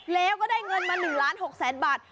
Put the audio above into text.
แล้วก็ได้เงินมาหนึ่งล้านหกแสนบาท